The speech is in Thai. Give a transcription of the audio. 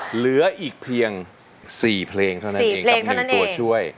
เหลืออีกเพียง๔เพลงเท่านั้นเองกับ๑ตัวช่วย